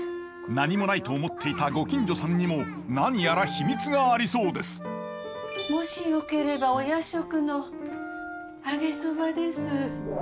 何もないと思っていたご近所さんにも何やら秘密がありそうですもしよければお夜食の揚げそばです。